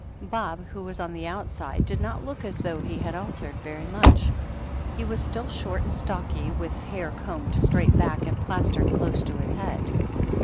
Bob, who was on the outside, did not look as though he had altered very much. He was still short and stocky, with hair combed straight back and plastered close to his head.